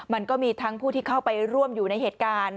มันก็มีทั้งผู้ที่เข้าไปร่วมอยู่ในเหตุการณ์